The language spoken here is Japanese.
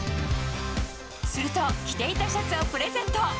すると、着ていたシャツをプレゼント。